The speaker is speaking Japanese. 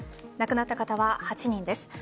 亡くなった方は８人です。